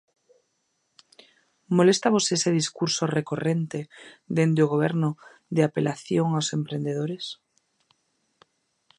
Moléstavos ese discurso recorrente dende o Goberno de apelación aos emprendedores?